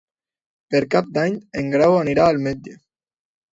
Per Cap d'Any en Grau anirà al metge.